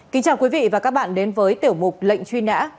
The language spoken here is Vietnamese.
kính chào quý vị và các bạn đến với tiểu mục lệnh truy nã